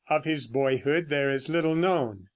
Of his boyhood there is little known.